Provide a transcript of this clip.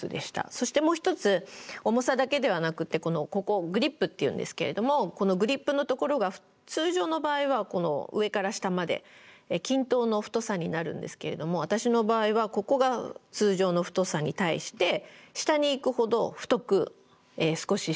そしてもう一つ重さだけではなくてここグリップっていうんですけれどもこのグリップのところが通常の場合は上から下まで均等の太さになるんですけれども私の場合はここが通常の太さに対して下に行くほど太く少ししています。